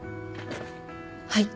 はい。